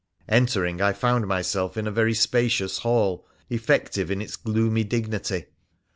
Entering, I found myself in a very spacious hall, effective in its gloomy dignity.